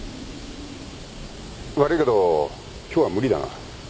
悪いけど今日は無理だな。